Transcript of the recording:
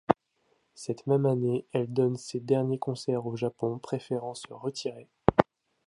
Cette même année, elle donne ses derniers concerts au Japon, préférant se retirer.